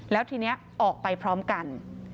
แล้วทีนี้ออกไปพร้อมกัน